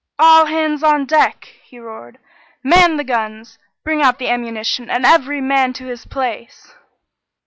"All hands on deck!" he roared. "Man the guns! Bring out the ammunition, and every man to his place!"